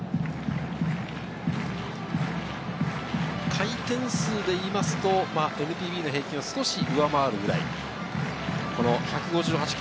回転数で言いますと、ＮＰＢの平均を少し上回るくらい。